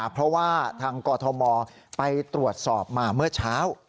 เพราะว่าทางกอทมไปตรวจสอบมาเมื่อเช้า